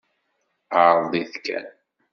Ɛreḍ-it kan.